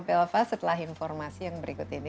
elva setelah informasi yang berikut ini